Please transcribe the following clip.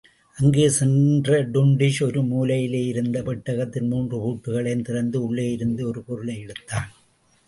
அங்கே சென்ற டுன்டுஷ், ஒரு மூலையிலேயிருந்த பெட்டகத்தின் மூன்று பூட்டுக்களையும் திறந்து உள்ளேயிருந்து ஒரு பொருளையெடுத்தான்.